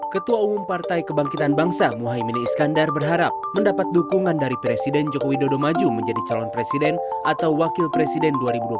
ketua umum partai kebangkitan bangsa muhaymin iskandar berharap mendapat dukungan dari presiden joko widodo maju menjadi calon presiden atau wakil presiden dua ribu dua puluh empat